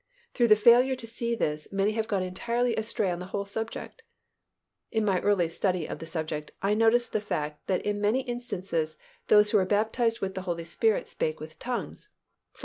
Through the failure to see this, many have gone entirely astray on the whole subject. In my early study of the subject, I noticed the fact that in many instances those who were baptized with the Holy Spirit spake with tongues (_e.